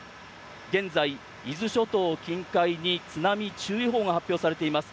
現在、伊豆諸島近海に津波注意報が発表されています。